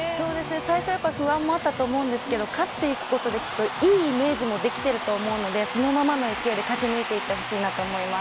最初はやっぱり不安もあったと思うんですけど勝っていくことでいいイメージもできていると思うのでこのままの勢いで勝ち抜いてほしいと思います。